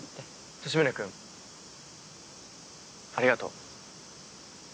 利宗君ありがとう。